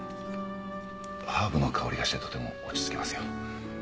ハーブの香りがしてとても落ち着きますよ。